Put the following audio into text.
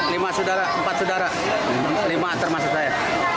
lima saudara empat saudara lima termasuk saya